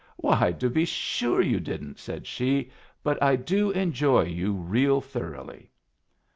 "Why, to be sure you didn't!" said she. "But I do enjoy you real thoroughly."